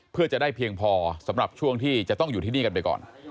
เพื่อจะได้เพียงพอสำหรับช่วงที่จะต้องอยู่ที่นี่กันไปก่อน